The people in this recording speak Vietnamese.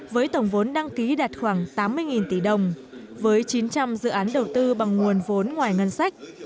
với tổng vốn đăng ký đạt khoảng tám mươi tỷ đồng với chín trăm linh dự án đầu tư bằng nguồn vốn ngoài ngân sách